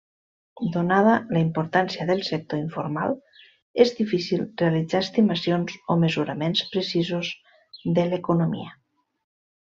Donada la importància del sector informal és difícil realitzar estimacions o mesuraments precisos de l'economia.